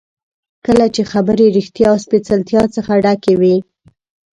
کله چې خبرې ریښتیا او سپېڅلتیا څخه ډکې وي.